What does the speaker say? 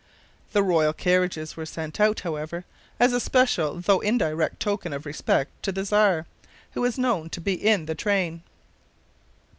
The royal carriages were sent out, however, as a special though indirect token of respect to the Czar, who was known to be in the train.